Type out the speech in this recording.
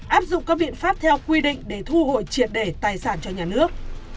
áp dụng các biện pháp theo quy định để thu hồi triệt để tài sản cho nhà nước